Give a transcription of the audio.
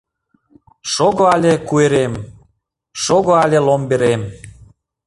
Шого але, куэрем, шого але, ломберем